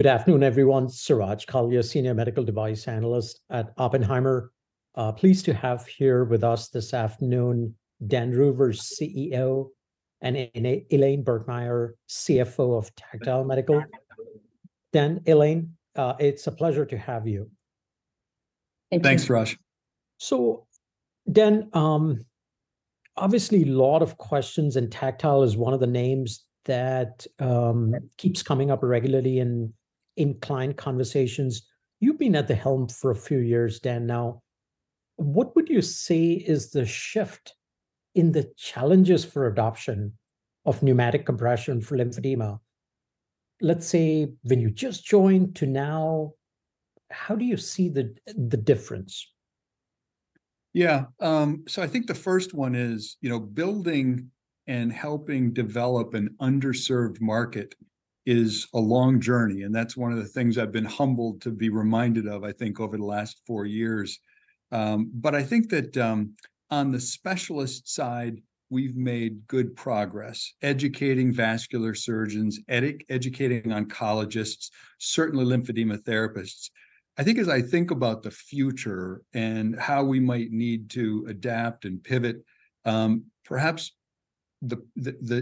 Good afternoon, everyone. Suraj Kalia, Senior Medical Device Analyst at Oppenheimer. Pleased to have here with us this afternoon Dan Reuvers, CEO, and Elaine Birkemeyer, CFO, of Tactile Medical. Dan, Elaine, it's a pleasure to have you. Thank you. Thanks, Suraj. So Dan, obviously lot of questions, and Tactile is one of the names that keeps coming up regularly in client conversations. You've been at the helm for a few years, Dan, now. What would you say is the shift in the challenges for adoption of pneumatic compression for lymphedema? Let's say, when you just joined to now, how do you see the difference? Yeah. So I think the first one is, you know, building and helping develop an underserved market is a long journey, and that's one of the things I've been humbled to be reminded of, I think, over the last four years. But I think that, on the specialist side, we've made good progress educating vascular surgeons, educating oncologists, certainly lymphedema therapists. I think as I think about the future and how we might need to adapt and pivot, perhaps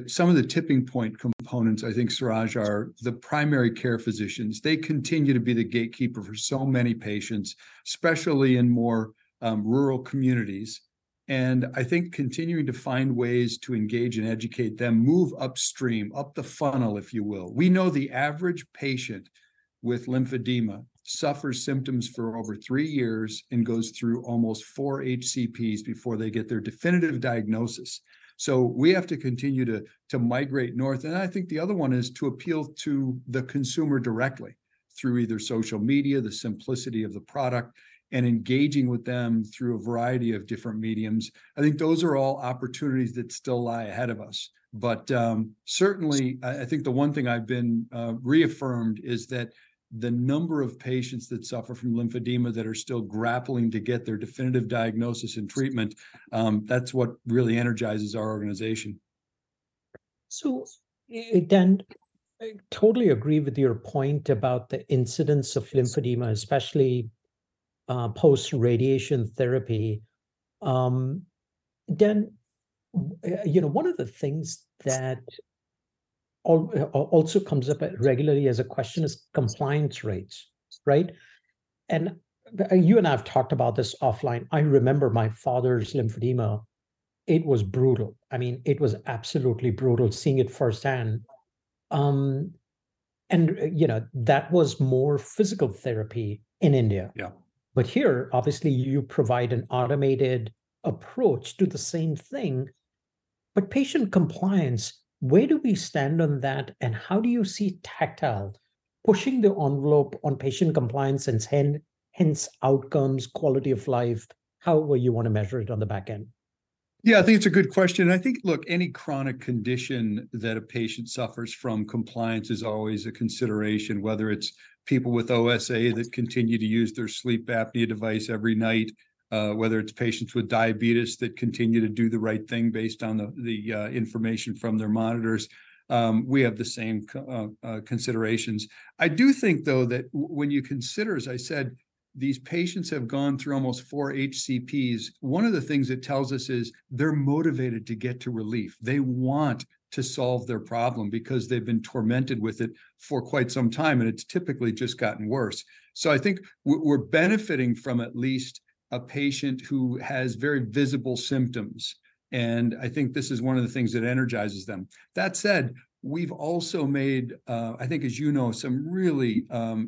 some of the tipping point components, I think, Suraj, are the primary care physicians. They continue to be the gatekeeper for so many patients, especially in more rural communities, and I think continuing to find ways to engage and educate them, move upstream, up the funnel, if you will. We know the average patient with lymphedema suffers symptoms for over three years and goes through almost four HCPs before they get their definitive diagnosis, so we have to continue to migrate north. I think the other one is to appeal to the consumer directly through either social media, the simplicity of the product, and engaging with them through a variety of different mediums. I think those are all opportunities that still lie ahead of us. But certainly, I think the one thing I've been reaffirmed is that the number of patients that suffer from lymphedema that are still grappling to get their definitive diagnosis and treatment, that's what really energizes our organization. Dan, I totally agree with your point about the incidence of lymphedema- Sure... especially, post-radiation therapy. Dan, you know, one of the things that also comes up regularly as a question is compliance rates, right? And, you and I have talked about this offline. I remember my father's lymphedema. It was brutal. I mean, it was absolutely brutal seeing it firsthand. And, you know, that was more physical therapy in India. Yeah. But here, obviously, you provide an automated approach to the same thing, but patient compliance, where do we stand on that, and how do you see Tactile pushing the envelope on patient compliance, and hence, hence outcomes, quality of life, however you wanna measure it on the back end? Yeah, I think it's a good question, and I think, look, any chronic condition that a patient suffers from, compliance is always a consideration, whether it's people with OSA that continue to use their sleep apnea device every night, whether it's patients with diabetes that continue to do the right thing based on the information from their monitors. We have the same considerations. I do think, though, that when you consider, as I said, these patients have gone through almost four HCPs, one of the things it tells us is, they're motivated to get to relief. They want to solve their problem because they've been tormented with it for quite some time, and it's typically just gotten worse. So I think we're benefiting from at least a patient who has very visible symptoms, and I think this is one of the things that energizes them. That said, we've also made, I think, as you know, some really,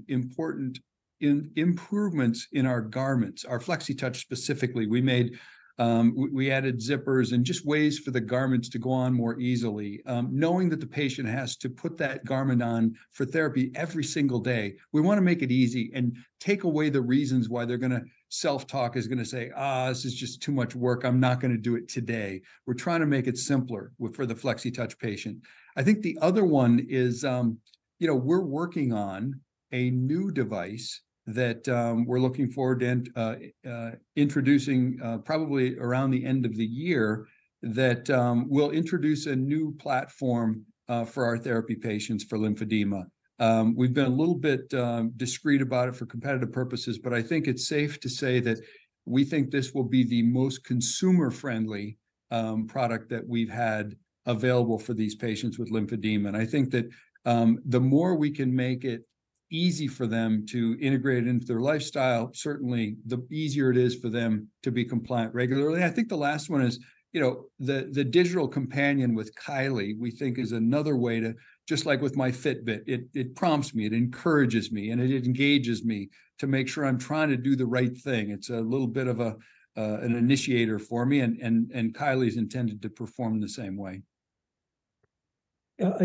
important improvements in our garments, our Flexitouch specifically. We added zippers and just ways for the garments to go on more easily. Knowing that the patient has to put that garment on for therapy every single day, we wanna make it easy and take away the reasons why they're gonna... Self-talk is gonna say, "Ah, this is just too much work. I'm not gonna do it today." We're trying to make it simpler with, for the Flexitouch patient. I think the other one is, you know, we're working on a new device that we're looking forward to introducing, probably around the end of the year, that we'll introduce a new platform for our therapy patients for Lymphedema. We've been a little bit discreet about it for competitive purposes, but I think it's safe to say that we think this will be the most consumer-friendly product that we've had available for these patients with Lymphedema. I think that the more we can make it easy for them to integrate it into their lifestyle, certainly, the easier it is for them to be compliant regularly. I think the last one is, you know, the digital companion with Kylee, we think is another way to just like with my Fitbit, it prompts me, it encourages me, and it engages me to make sure I'm trying to do the right thing. It's a little bit of a, an initiator for me, and Kylee is intended to perform the same way.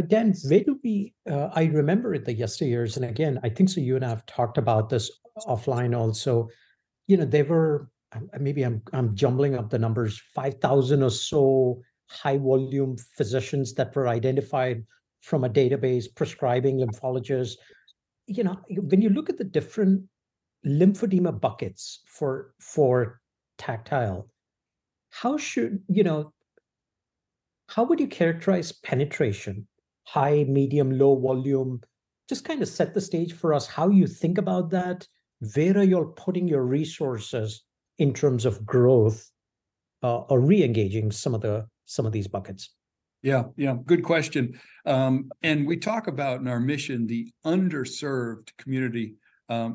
Dan, where do we... I remember in the yesteryears, and again, I think so you and I have talked about this offline also, you know, there were maybe I am jumbling up the numbers, 5,000 or so high-volume physicians that were identified from a database prescribing lymphologists. You know, when you look at the different lymphedema buckets for Tactile, how should... You know... How would you characterize penetration? High, medium, low volume. Just kind of set the stage for us how you think about that, where are you putting your resources in terms of growth or reengaging some of these buckets. Yeah. Yeah, good question. And we talk about in our mission, the underserved community,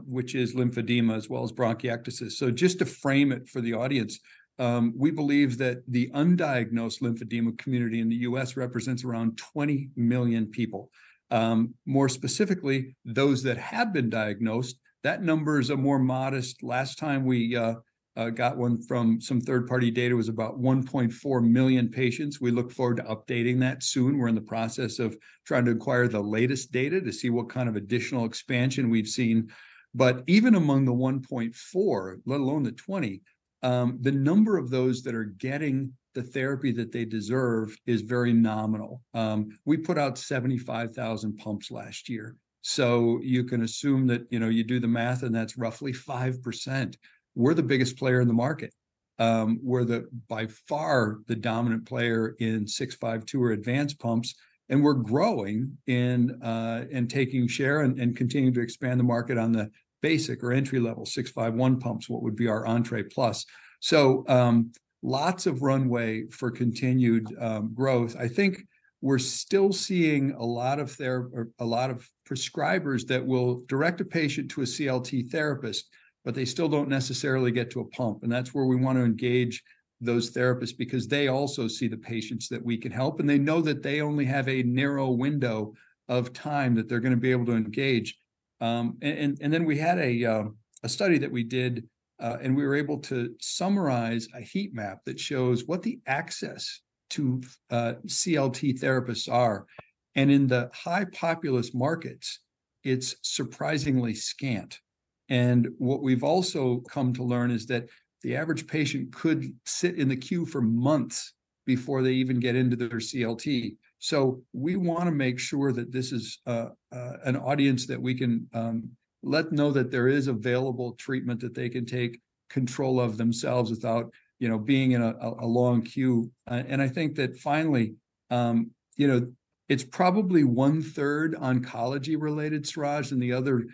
which is lymphedema as well as bronchiectasis. So just to frame it for the audience, we believe that the undiagnosed lymphedema community in the U.S. represents around 20 million people. More specifically, those that have been diagnosed, that number is a more modest. Last time we got one from some third-party data was about 1.4 million patients. We look forward to updating that soon. We're in the process of trying to acquire the latest data to see what kind of additional expansion we've seen. But even among the 1.4, let alone the 20, the number of those that are getting the therapy that they deserve is very nominal. We put out 75,000 pumps last year, so you can assume that, you know, you do the math, and that's roughly 5%. We're the biggest player in the market. We're the, by far, the dominant player in 652 or advanced pumps, and we're growing in, and taking share and, and continuing to expand the market on the basic or entry-level 651 pumps, what would be our Entre Plus. So, lots of runway for continued, growth. I think we're still seeing a lot of prescribers that will direct a patient to a CLT therapist, but they still don't necessarily get to a pump, and that's where we want to engage those therapists because they also see the patients that we can help, and they know that they only have a narrow window of time that they're gonna be able to engage. Then we had a study that we did, and we were able to summarize a heat map that shows what the access to CLT therapists are. In the high populous markets, it's surprisingly scant. What we've also come to learn is that the average patient could sit in the queue for months before they even get into their CLT. So we wanna make sure that this is an audience that we can let know that there is available treatment, that they can take control of themselves without, you know, being in a long queue. And I think that finally, you know, it's probably one-third oncology-related, Suraj, and the other,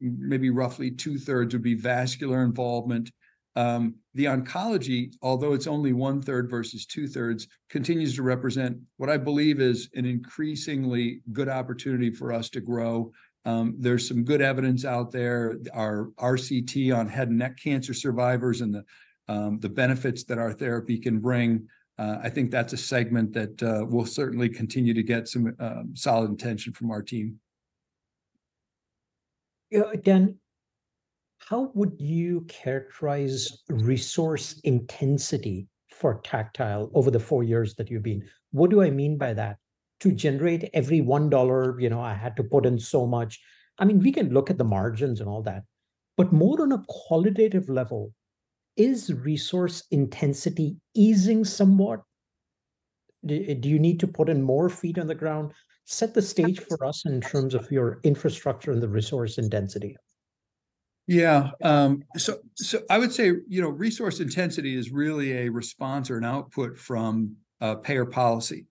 maybe roughly two-thirds would be vascular involvement. The oncology, although it's only one-third versus two-thirds, continues to represent what I believe is an increasingly good opportunity for us to grow. There's some good evidence out there. Our RCT on head and neck cancer survivors and the benefits that our therapy can bring, I think that's a segment that will certainly continue to get some solid attention from our team. Yeah, again, how would you characterize resource intensity for Tactile over the four years that you've been? What do I mean by that? To generate every $1, you know, I had to put in so much. I mean, we can look at the margins and all that, but more on a qualitative level, is resource intensity easing somewhat? Do you need to put in more feet on the ground? Set the stage for us in terms of your infrastructure and the resource intensity. Yeah, so I would say, you know, resource intensity is really a response or an output from a payer policy.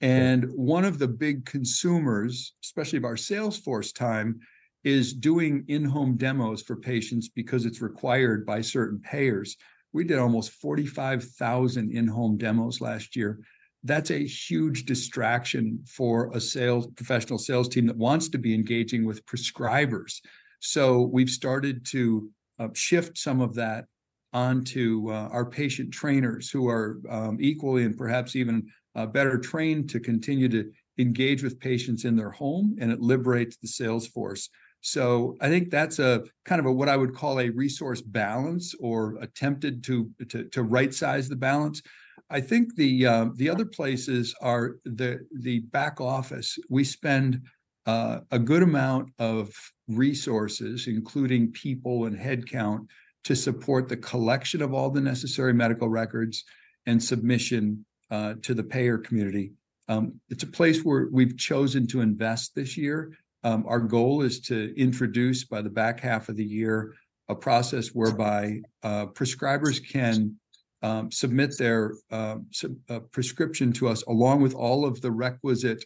Yeah. One of the big consumers, especially of our sales force time, is doing in-home demos for patients because it's required by certain payers. We did almost 45,000 in-home demos last year. That's a huge distraction for a sales professional sales team that wants to be engaging with prescribers. So we've started to shift some of that onto our patient trainers, who are equally and perhaps even better trained to continue to engage with patients in their home, and it liberates the sales force. So I think that's a kind of a what I would call a resource balance or attempted to right-size the balance. I think the other places are the back office. We spend a good amount of resources, including people and headcount, to support the collection of all the necessary medical records and submission to the payer community. It's a place where we've chosen to invest this year. Our goal is to introduce, by the back half of the year, a process whereby prescribers can submit their prescription to us, along with all of the requisite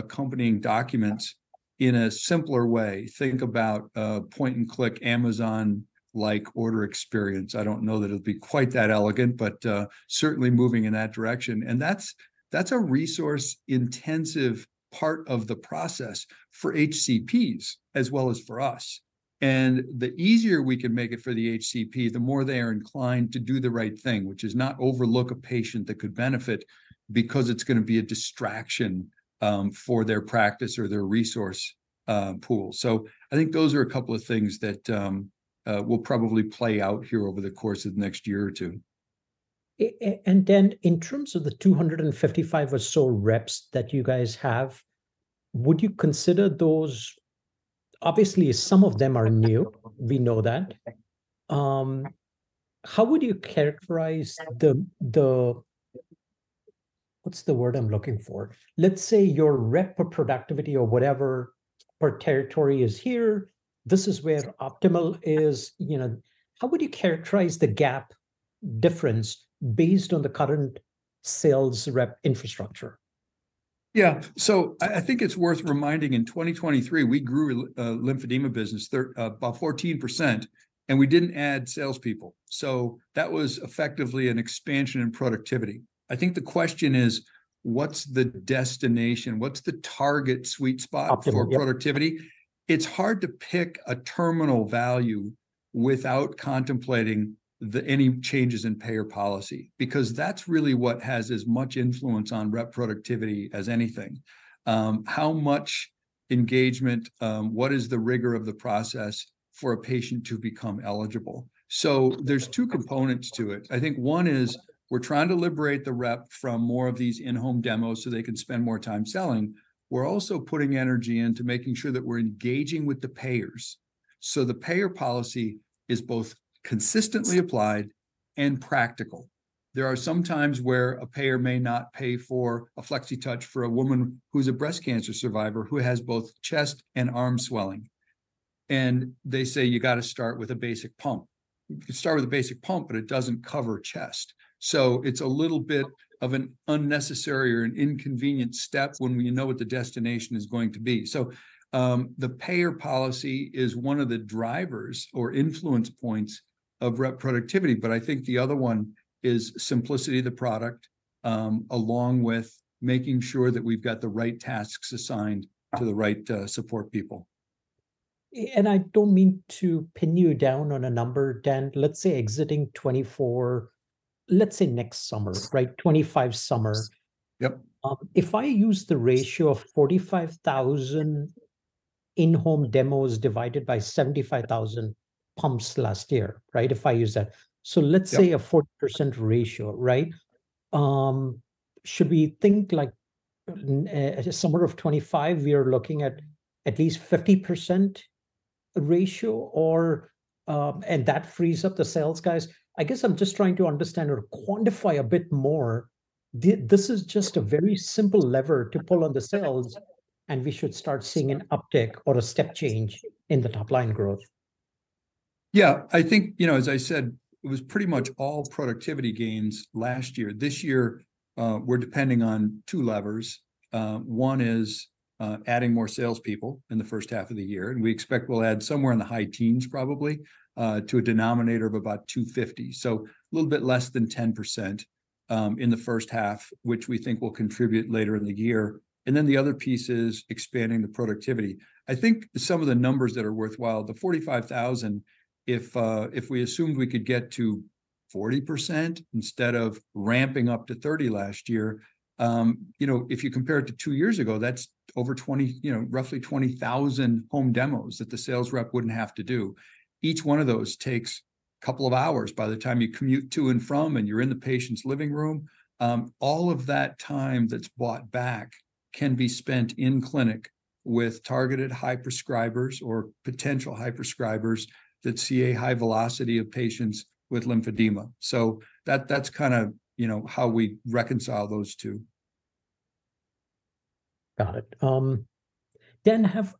accompanying documents, in a simpler way. Think about a point-and-click, Amazon-like order experience. I don't know that it'll be quite that elegant, but certainly moving in that direction, and that's a resource-intensive part of the process for HCPs as well as for us. The easier we can make it for the HCP, the more they are inclined to do the right thing, which is not overlook a patient that could benefit because it's gonna be a distraction, for their practice or their resource, pool. So I think those are a couple of things that, will probably play out here over the course of the next year or two. And then in terms of the 255 or so reps that you guys have, would you consider those... Obviously, some of them are new. We know that. How would you characterize the – what's the word I'm looking for? Let's say, your rep productivity or whatever... our territory is here, this is where optimal is. You know, how would you characterize the gap difference based on the current sales rep infrastructure? Yeah. So I think it's worth reminding, in 2023, we grew lymphedema business about 14%, and we didn't add salespeople. So that was effectively an expansion in productivity. I think the question is, what's the destination? What's the target sweet spot- Optimal, yep... for productivity? It's hard to pick a terminal value without contemplating the, any changes in payer policy, because that's really what has as much influence on rep productivity as anything. How much engagement, what is the rigor of the process for a patient to become eligible? So there's two components to it. I think one is, we're trying to liberate the rep from more of these in-home demos so they can spend more time selling. We're also putting energy into making sure that we're engaging with the payers, so the payer policy is both consistently applied and practical. There are some times where a payer may not pay for a Flexitouch for a woman who's a breast cancer survivor, who has both chest and arm swelling, and they say, "You've gotta start with a basic pump." You can start with a basic pump, but it doesn't cover chest. So it's a little bit of an unnecessary or an inconvenient step when we know what the destination is going to be. So, the payer policy is one of the drivers or influence points of rep productivity, but I think the other one is simplicity of the product, along with making sure that we've got the right tasks assigned to the right, support people. And I don't mean to pin you down on a number, Dan. Let's say exiting 2024, let's say next summer, right, 2025 summer. Yep. If I use the ratio of 45,000 in-home demos divided by 75,000 pumps last year, right, if I use that, so let's say- Yep... a 40% ratio, right? Should we think, like, at summer of 2025, we are looking at at least 50% ratio or... And that frees up the sales guys. I guess I'm just trying to understand or quantify a bit more. This is just a very simple lever to pull on the sales, and we should start seeing an uptick or a step change in the top-line growth. Yeah, I think, you know, as I said, it was pretty much all productivity gains last year. This year, we're depending on two levers. One is adding more salespeople in the first half of the year, and we expect we'll add somewhere in the high teens, probably, to a denominator of about 250, so a little bit less than 10%, in the first half, which we think will contribute later in the year. And then the other piece is expanding the productivity. I think some of the numbers that are worthwhile, the 45,000, if we assumed we could get to 40%, instead of ramping up to 30% last year, you know, if you compare it to two years ago, that's over 20, you know, roughly 20,000 home demos that the sales rep wouldn't have to do. Each one of those takes a couple of hours by the time you commute to and from, and you're in the patient's living room. All of that time that's bought back can be spent in clinic with targeted high prescribers or potential high prescribers that see a high velocity of patients with lymphedema. So that, that's kinda, you know, how we reconcile those two. Got it. Dan, have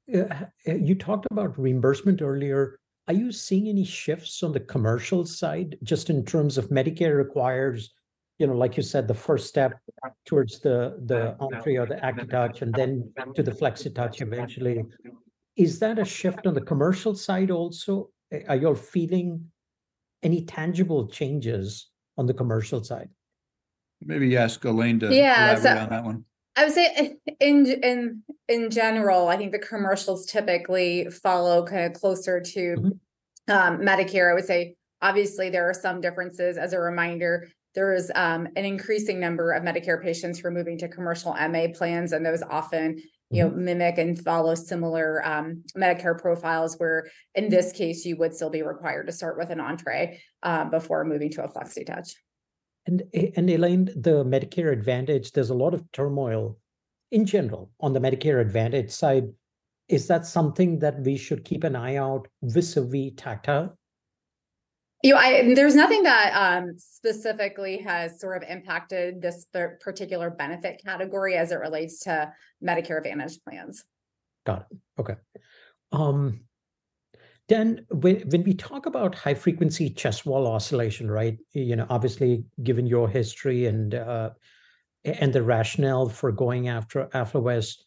you talked about reimbursement earlier? Are you seeing any shifts on the commercial side, just in terms of Medicare requires, you know, like you said, the first step towards the, the Entre or the ACTitouch, and then to the Flexitouch eventually? Is that a shift on the commercial side also? Are you feeling any tangible changes on the commercial side? Maybe ask Elaine to- Yeah... elaborate on that one. I would say in general, I think the commercials typically follow kinda closer to- Mm-hmm... Medicare. I would say, obviously, there are some differences. As a reminder, there is an increasing number of Medicare patients who are moving to commercial MA plans, and those often, you know, mimic and follow similar Medicare profiles, where in this case, you would still be required to start with an Entre before moving to a Flexitouch. And, Elaine, the Medicare Advantage, there's a lot of turmoil in general on the Medicare Advantage side. Is that something that we should keep an eye out vis-à-vis Tactile? You know, there's nothing that specifically has sort of impacted this, the particular benefit category as it relates to Medicare Advantage plans. Got it. Okay. Then when we talk about high-frequency chest wall oscillation, right, you know, obviously, given your history and the rationale for going after AffloVest,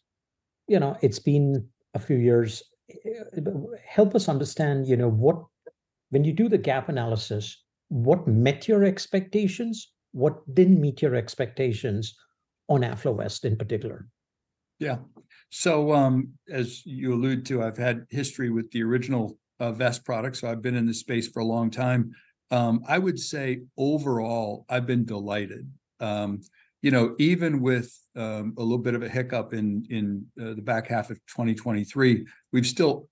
you know, it's been a few years. Help us understand, you know, when you do the gap analysis, what met your expectations, what didn't meet your expectations on AffloVest in particular? Yeah. So, as you allude to, I've had history with the original vest product, so I've been in this space for a long time. I would say, overall, I've been delighted. You know, even with a little bit of a hiccup in the back half of 2023, we've still...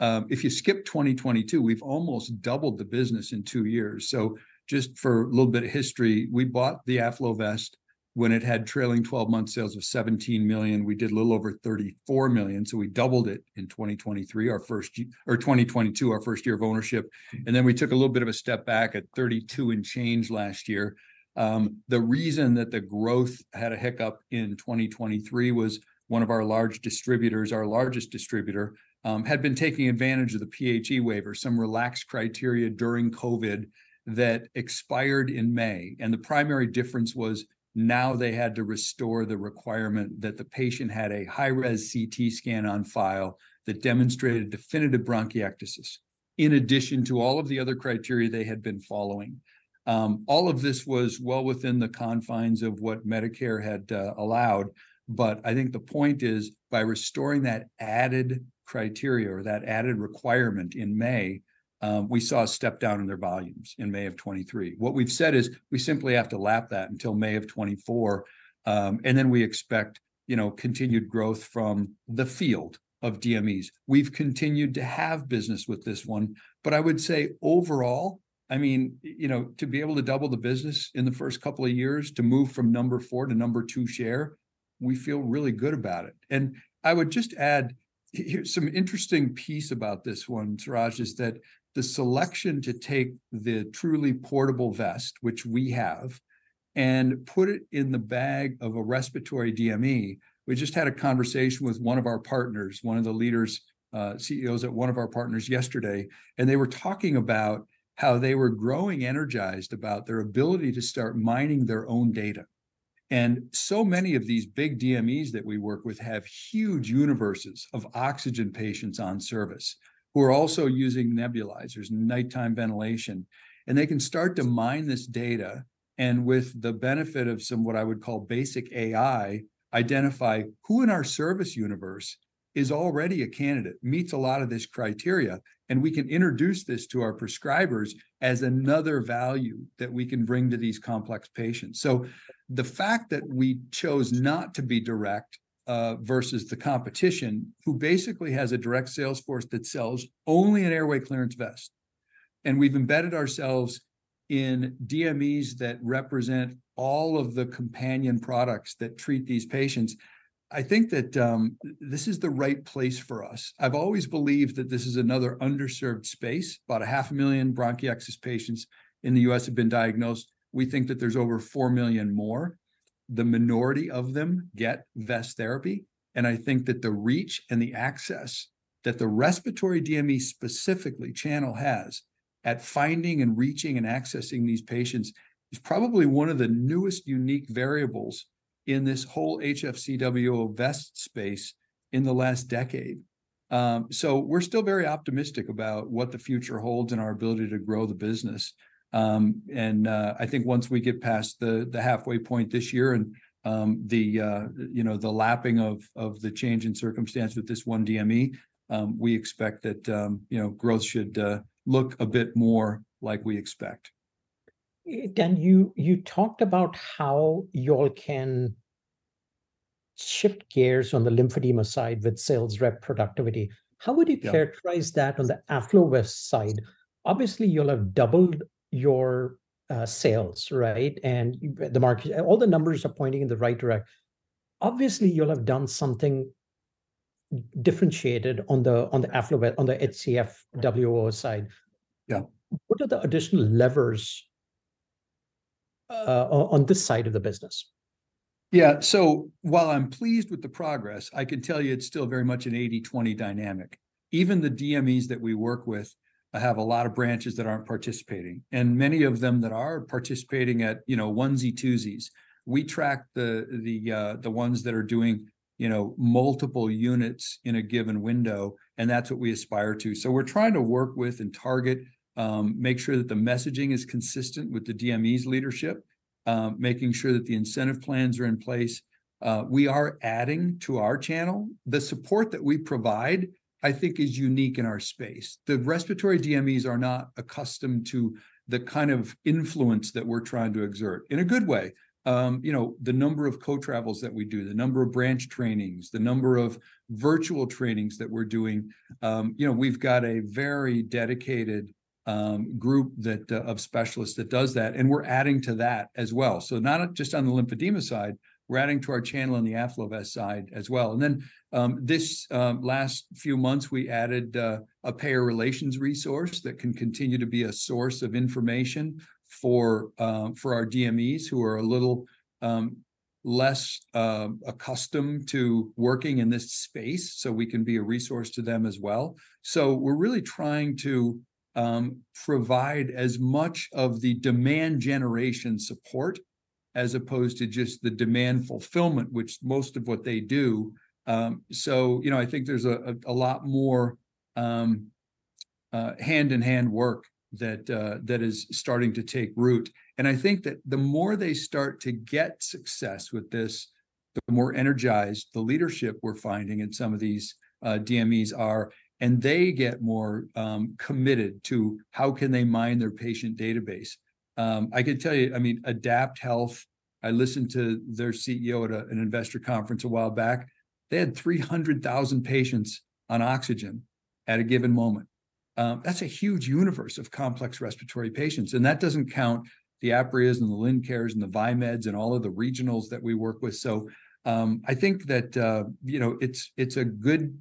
If you skip 2022, we've almost doubled the business in two years. So just for a little bit of history, we bought the AffloVest when it had trailing twelve-month sales of $17 million, we did a little over $34 million, so we doubled it in 2023, our first—or 2022, our first year of ownership. And then we took a little bit of a step back at $32 million and change last year. The reason that the growth had a hiccup in 2023 was one of our large distributors, our largest distributor, had been taking advantage of the PHE waiver, some relaxed criteria during COVID that expired in May. The primary difference was now they had to restore the requirement that the patient had a high-res CT scan on file that demonstrated definitive bronchiectasis, in addition to all of the other criteria they had been following. All of this was well within the confines of what Medicare had allowed, but I think the point is, by restoring that added criteria or that added requirement in May, we saw a step down in their volumes in May of 2023. What we've said is, we simply have to lap that until May of 2024, and then we expect, you know, continued growth from the field of DMEs. We've continued to have business with this one, but I would say overall, I mean, you know, to be able to double the business in the first couple of years, to move from number 4 to number 2 share, we feel really good about it. And I would just add, here's some interesting piece about this one, Suraj, is that the selection to take the truly portable vest, which we have, and put it in the bag of a respiratory DME... We just had a conversation with one of our partners, one of the leaders, CEOs at one of our partners yesterday, and they were talking about how they were growing energized about their ability to start mining their own data. So many of these big DMEs that we work with have huge universes of oxygen patients on service, who are also using nebulizers and nighttime ventilation, and they can start to mine this data, and with the benefit of some, what I would call, basic AI, identify, "Who in our service universe is already a candidate, meets a lot of this criteria?" And we can introduce this to our prescribers as another value that we can bring to these complex patients. So the fact that we chose not to be direct, versus the competition, who basically has a direct sales force that sells only an airway clearance vest, and we've embedded ourselves in DMEs that represent all of the companion products that treat these patients, I think that, this is the right place for us. I've always believed that this is another underserved space. About 500,000 bronchiectasis patients in the U.S. have been diagnosed. We think that there's over 4 million more. The minority of them get vest therapy, and I think that the reach and the access that the respiratory DME, specifically, channel has at finding and reaching and accessing these patients, is probably one of the newest unique variables in this whole HFCWO vest space in the last decade. So we're still very optimistic about what the future holds and our ability to grow the business. And I think once we get past the halfway point this year and the you know the lapping of the change in circumstance with this one DME, we expect that you know growth should look a bit more like we expect. Dan, you talked about how y'all can shift gears on the lymphedema side with sales rep productivity. Yeah. How would you characterize that on the AffloVest side? Obviously, you'll have doubled your sales, right? And the market - all the numbers are pointing in the right direction. Obviously, you'll have done something differentiated on the AffloVest, on the HFCWO side. Yeah. What are the additional levers on this side of the business? Yeah. So while I'm pleased with the progress, I can tell you it's still very much an 80/20 dynamic. Even the DMEs that we work with have a lot of branches that aren't participating, and many of them that are participating at, you know, onesie-twosies. We track the ones that are doing, you know, multiple units in a given window, and that's what we aspire to. So we're trying to work with and target, make sure that the messaging is consistent with the DME's leadership, making sure that the incentive plans are in place. We are adding to our channel. The support that we provide, I think, is unique in our space. The respiratory DMEs are not accustomed to the kind of influence that we're trying to exert, in a good way. You know, the number of co-travels that we do, the number of branch trainings, the number of virtual trainings that we're doing, you know, we've got a very dedicated group of specialists that does that, and we're adding to that as well. So not just on the lymphedema side, we're adding to our channel on the AffloVest side as well. And then, this last few months, we added a payer relations resource that can continue to be a source of information for our DMEs, who are a little less accustomed to working in this space, so we can be a resource to them as well. So we're really trying to provide as much of the demand generation support, as opposed to just the demand fulfillment, which most of what they do. So, you know, I think there's a lot more hand-in-hand work that is starting to take root. And I think that the more they start to get success with this, the more energized the leadership we're finding in some of these DMEs are, and they get more committed to: How can they mine their patient database? I can tell you, I mean, AdaptHealth, I listened to their CEO at an investor conference a while back. They had 300,000 patients on oxygen at a given moment. That's a huge universe of complex respiratory patients, and that doesn't count the Aprias, and the Lincares, and the Viemeds, and all of the regionals that we work with. So, I think that, you know, it's a good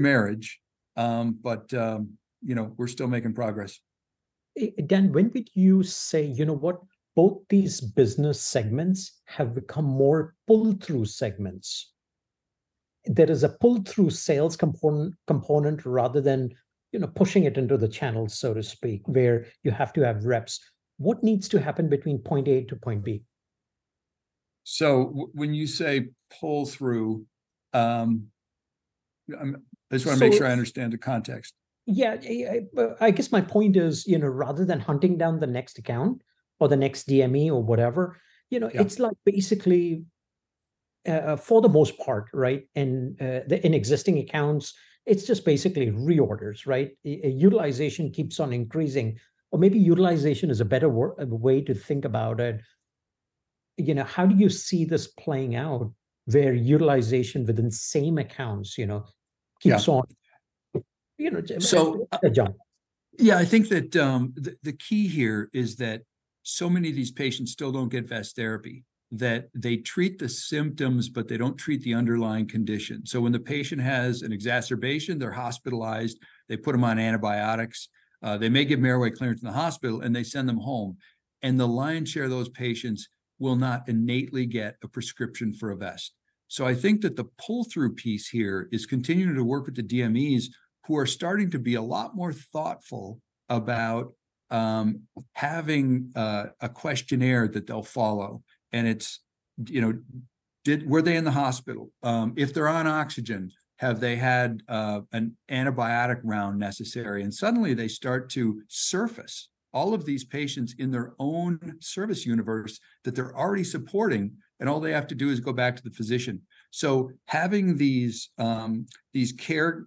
marriage. But, you know, we're still making progress. Again, when would you say, "You know what? Both these business segments have become more pull-through segments." There is a pull-through sales component, component rather than, you know, pushing it into the channel, so to speak, where you have to have reps. What needs to happen between point A to point B? So when you say pull through, I'm- So- I just wanna make sure I understand the context. Yeah, but I guess my point is, you know, rather than hunting down the next account or the next DME or whatever, you know- Yeah... it's, like, basically, for the most part, right, and, in existing accounts, it's just basically reorders, right? Utilization keeps on increasing, or maybe utilization is a better way to think about it. You know, how do you see this playing out, where utilization within same accounts, you know- Yeah... keeps on, you know, j- So- Uh, Dan. Yeah, I think that the key here is that so many of these patients still don't get vest therapy, that they treat the symptoms, but they don't treat the underlying condition. So when the patient has an exacerbation, they're hospitalized, they put them on antibiotics, they may get airway clearance in the hospital, and they send them home, and the lion's share of those patients will not innately get a prescription for a vest. So I think that the pull-through piece here is continuing to work with the DMEs, who are starting to be a lot more thoughtful about having a questionnaire that they'll follow. And it's, you know, were they in the hospital? If they're on oxygen, have they had an antibiotic round necessary? Suddenly, they start to surface all of these patients in their own service universe that they're already supporting, and all they have to do is go back to the physician. So having these care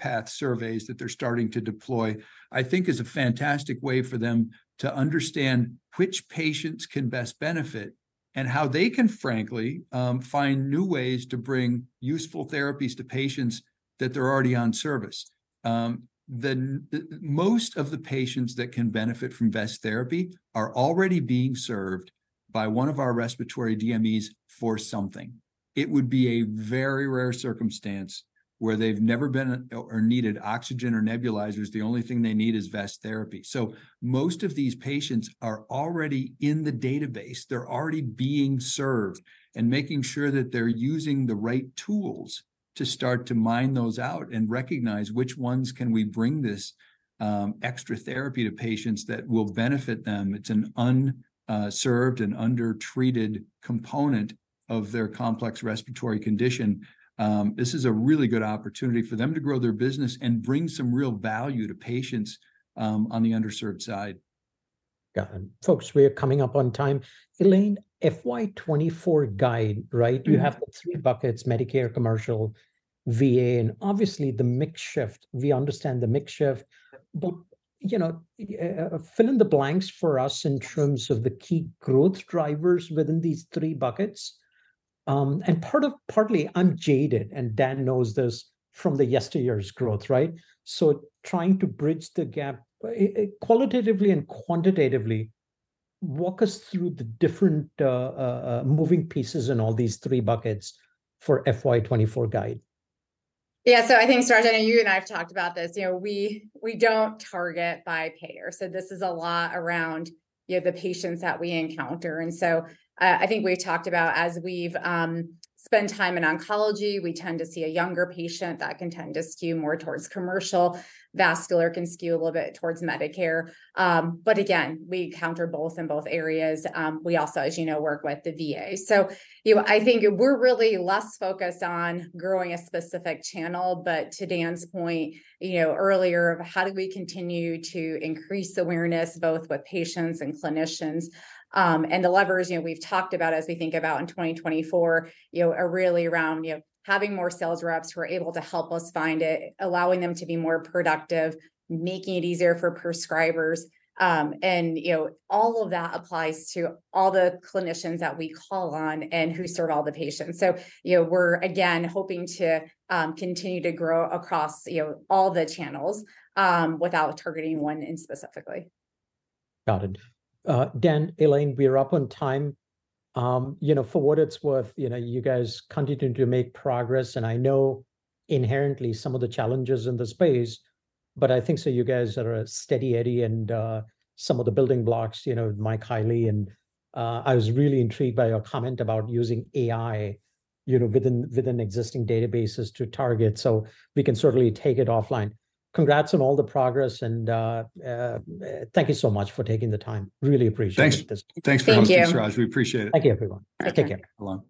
path surveys that they're starting to deploy, I think is a fantastic way for them to understand which patients can best benefit and how they can, frankly, find new ways to bring useful therapies to patients that they're already on service. Most of the patients that can benefit from vest therapy are already being served by one of our respiratory DMEs for something. It would be a very rare circumstance where they've never been, or needed oxygen or nebulizers, the only thing they need is vest therapy. So most of these patients are already in the database. They're already being served, and making sure that they're using the right tools to start to mine those out and recognize which ones we can bring this extra therapy to patients that will benefit them. It's an underserved and undertreated component of their complex respiratory condition. This is a really good opportunity for them to grow their business and bring some real value to patients on the underserved side. Got it. Folks, we are coming up on time. Elaine, FY 2024 guide, right? Mm-hmm. You have the three buckets, Medicare, commercial, VA, and obviously the mix shift. We understand the mix shift, but, you know, fill in the blanks for us in terms of the key growth drivers within these three buckets. Partly I'm jaded, and Dan knows this from the yesteryears growth, right? So trying to bridge the gap, qualitatively and quantitatively, walk us through the different, moving pieces in all these three buckets for FY 2024 guide. Yeah. So I think, Suraj, I know you and I have talked about this. You know, we, we don't target by payer, so this is a lot around, you know, the patients that we encounter. And so, I think we've talked about, as we've spent time in oncology, we tend to see a younger patient that can tend to skew more towards commercial. Vascular can skew a little bit towards Medicare. But again, we encounter both in both areas. We also, as you know, work with the VA. So, you know, I think we're really less focused on growing a specific channel. But to Dan's point, you know, earlier, how do we continue to increase awareness both with patients and clinicians? And the levers, you know, we've talked about as we think about in 2024, you know, are really around, you know, having more sales reps who are able to help us find it, allowing them to be more productive, making it easier for prescribers. And, you know, all of that applies to all the clinicians that we call on and who serve all the patients. So, you know, we're, again, hoping to continue to grow across, you know, all the channels, without targeting one in specifically. Got it. Dan, Elaine, we are up on time. You know, for what it's worth, you know, you guys continue to make progress, and I know inherently some of the challenges in the space, but I think, so you guys are a steady eddy and some of the building blocks, you know, like Kylee, and I was really intrigued by your comment about using AI, you know, within, within existing databases to target. So we can certainly take it offline. Congrats on all the progress and thank you so much for taking the time. Really appreciate this. Thanks. Thanks for hosting us, Suraj. Thank you. We appreciate it. Thank you, everyone. Okay. Take care. Bye-bye.